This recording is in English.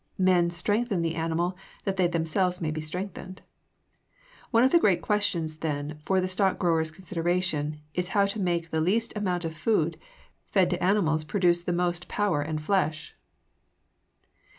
Men strengthen the animal that they themselves may be strengthened. One of the great questions, then, for the stock grower's consideration is how to make the least amount of food fed to animals produce the most power and flesh.